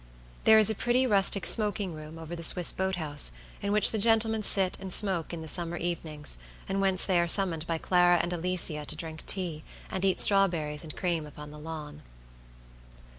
There is a pretty rustic smoking room over the Swiss boat house, in which the gentlemen sit and smoke in the summer evenings, and whence they are summoned by Clara and Alicia to drink tea, and eat strawberries and cream upon the lawn.